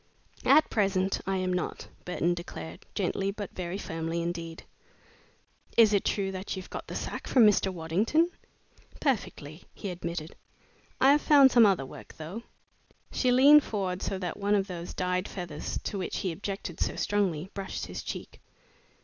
"At present I am not," Burton declared, gently but very firmly indeed. "Is it true that you've got the sack from Mr. Waddington?" "Perfectly," he admitted. "I have found some other work, though." She leaned forward so that one of those dyed feathers to which he objected so strongly brushed his cheek.